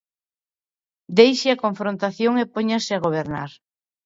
Deixe a confrontación e póñase a gobernar.